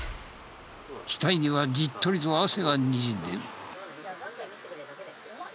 額にはじっとりと汗がにじんでいる。